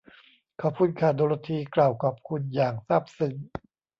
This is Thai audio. ขอบคุณค่ะ โดโรธี กล่าวขอบคุณ อย่างซาบซึ้ง